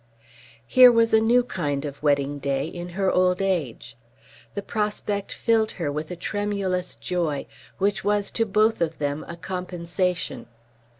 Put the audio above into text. Here was a new kind of wedding day in her old age. The prospect filled her with a tremulous joy which was to both of them a compensation.